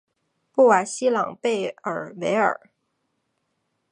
布瓦西朗贝尔维尔。